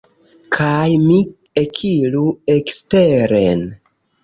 Kaj mi ekiru eksteren.